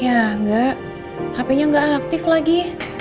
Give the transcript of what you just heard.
ya gak hpnya gak aktif lagi